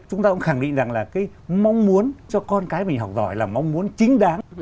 chúng ta cũng khẳng định rằng là cái mong muốn cho con cái mình học giỏi là mong muốn chính đáng